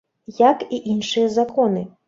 Як і іншыя законы.